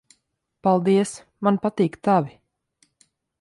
Paldies. Man patīk tavi.